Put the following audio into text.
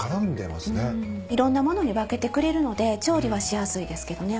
いろんな物に化けてくれるので調理はしやすいですけどね。